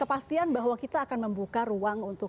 kepastian bahwa kita akan membuka ruang untuk